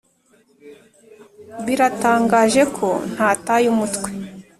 biratangaje ko ntataye umutwe